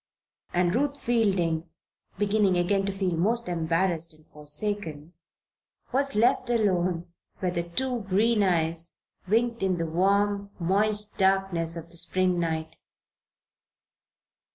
And Ruth Fielding, beginning again to feel most embarrassed and forsaken, was left alone where the two green eyes winked in the warm, moist darkness of the Spring night.